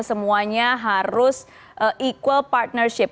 semuanya harus equal partnership